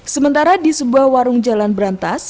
sementara di sebuah warung jalan berantas